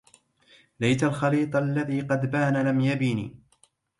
ليت الخليط الذي قد بان لم يبن